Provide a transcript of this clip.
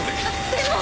でも！